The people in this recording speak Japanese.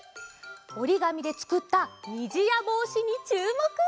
おりがみでつくったにじやぼうしにちゅうもく！